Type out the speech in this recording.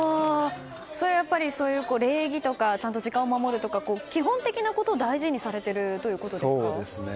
それはやっぱり礼儀とか時間を守るとか基本的なことを大事にされてるということですか。